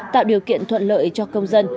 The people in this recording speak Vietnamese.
tạo điều kiện thuận lợi cho công dân